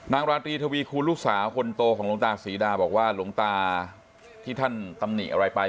ราตรีทวีคูณลูกสาวคนโตของหลวงตาศรีดาบอกว่าหลวงตาที่ท่านตำหนิอะไรไป